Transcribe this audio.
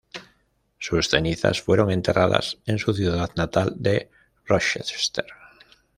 Sus cenizas fueron enterradas en su ciudad natal de Rochester.